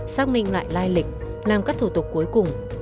xác minh lại lai lịch làm các thủ tục cuối cùng